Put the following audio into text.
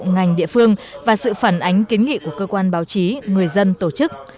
ngành địa phương và sự phản ánh kiến nghị của cơ quan báo chí người dân tổ chức